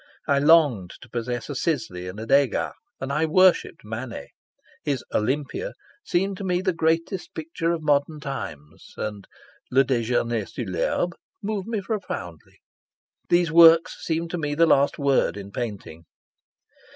I longed to possess a Sisley and a Degas, and I worshipped Manet. His seemed to me the greatest picture of modern times, and moved me profoundly. These works seemed to me the last word in painting.